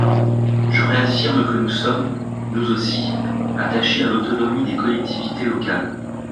Je réaffirme que nous sommes, nous aussi, attachés à l’autonomie des collectivités locales.